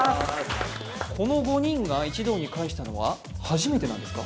この５人が一堂に会したのは初めてなんですか？